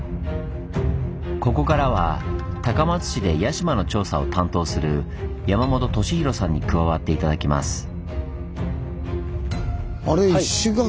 ここからは高松市で屋島の調査を担当する山元敏裕さんに加わって頂きます。